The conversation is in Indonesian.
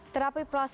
terapi plasma darah